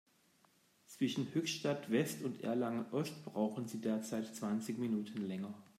Zwischen Höchstadt-West und Erlangen-Ost brauchen Sie derzeit zwanzig Minuten länger.